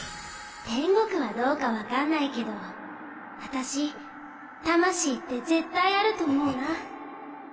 天国はどうか分かんないけど私魂って絶対あると思うな。